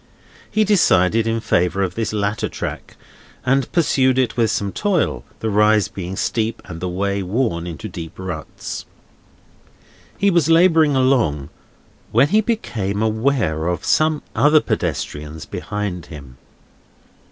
He decided in favour of this latter track, and pursued it with some toil; the rise being steep, and the way worn into deep ruts. He was labouring along, when he became aware of some other pedestrians behind him.